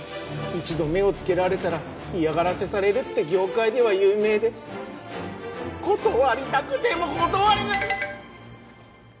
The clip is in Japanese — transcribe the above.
一度目を付けられたら嫌がらせされるって業界では有名で断りたくても断れな。